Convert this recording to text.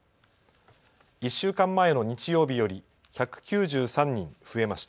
１週間前の日曜日より１９３人増えました。